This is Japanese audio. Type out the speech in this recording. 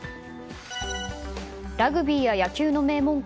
ラグビーや野球の名門校